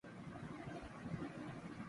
سڑکیں اورگلیاں صاف ہیں، کھیت اس گندگی سے پاک۔